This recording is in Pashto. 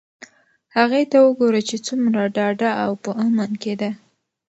هغې ته وگوره چې څومره ډاډه او په امن کې ده.